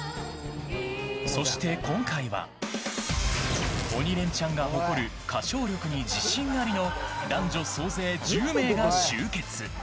そして今回は「鬼レンチャン」が誇る歌唱力に自信あり！の男女総勢１０名が集結。